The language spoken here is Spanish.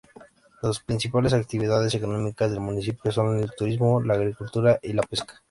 Las principales actividades económicas del municipio son el turismo, la agricultura y la pesca.